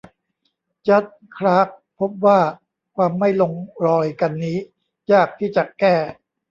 จัดจ์ คลาร์กพบว่าความไม่ลงรอยกันนี้ยากที่จะแก้